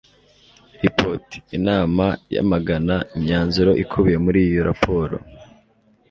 Report Inama yamagana imyanzuro ikubiye muri iyo raporo